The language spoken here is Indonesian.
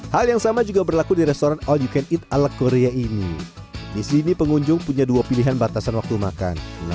hal yang sama juga berlaku di restoran all you can eat ala korea ini disini pengunjung punya dua pilihan batasan waktu makan